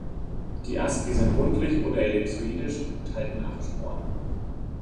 Die Asci sind rundlich oder ellipsoidisch und enthalten acht Sporen.